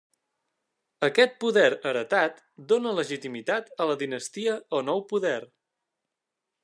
Aquest poder heretat dóna legitimitat a la dinastia o nou poder.